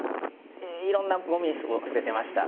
いろんなゴミを捨ててました。